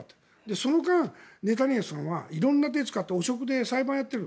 その間、ネタニヤフさんは色んな手を使って汚職で裁判をやっている。